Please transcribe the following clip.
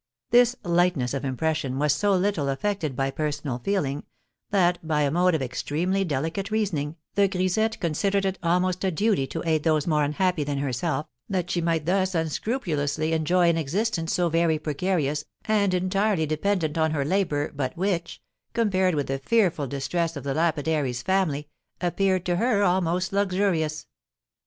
This lightness of impression was so little affected by personal feeling, that, by a mode of extremely delicate reasoning, the grisette considered it almost a duty to aid those more unhappy than herself, that she might thus unscrupulously enjoy an existence so very precarious and entirely dependent on her labour, but which, compared with the fearful distress of the lapidary's family, appeared to her almost luxurious.